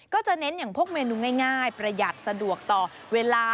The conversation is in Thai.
จะเน้นอย่างพวกเมนูง่ายประหยัดสะดวกต่อเวลา